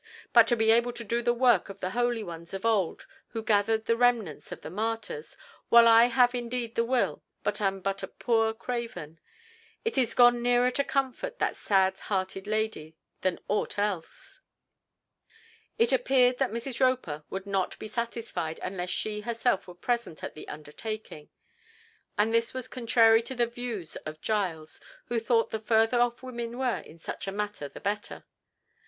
But to be able to do the work of the holy ones of old who gathered the remnants of the martyrs, while I have indeed the will, but am but a poor craven! It is gone nearer to comfort that sad hearted lady than aught else." It appeared that Mrs. Roper would not be satisfied unless she herself were present at the undertaking, and this was contrary to the views of Giles, who thought the further off women were in such a matter the better.